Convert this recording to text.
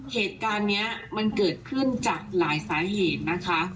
เหตุการณ์นี้มันเกิดขึ้นจากหลายสาเหตุนะคะ